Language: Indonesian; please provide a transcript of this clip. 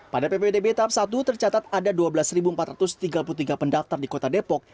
pada ppdb tahap satu tercatat ada dua belas empat ratus tiga puluh tiga pendaftar di kota depok